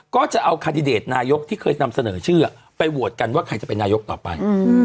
ก็จะเอาคาดิเดตนายกที่เคยนำเสนอชื่อไปโหวตกันว่าใครจะเป็นนายกต่อไป